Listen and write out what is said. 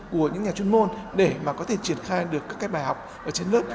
của những nhà chuyên môn để mà có thể triển khai được các cái bài học ở trên lớp